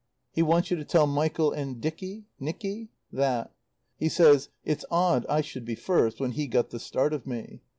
"He wants you to tell Michael and Dicky? Nicky? that. He says: 'It's odd I should be first when he got the start of me.'